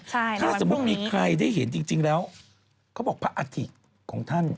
ถ้าสมมุติมีใครได้เห็นจริงแล้วเขาบอกพระอัฐิของท่าน